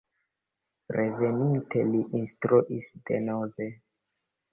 Reveninte li instruis denove.